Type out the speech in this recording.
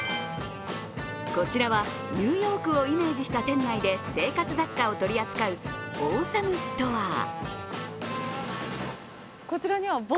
こちらは、ニューヨークをイメージした店内で生活雑貨を取り扱うオーサムストア。